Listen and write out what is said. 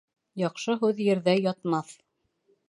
Яҡшы һүҙ ерҙә ятмаҫ.